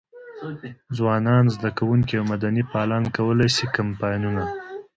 ځوانان، زده کوونکي او مدني فعالان کولای شي کمپاینونه.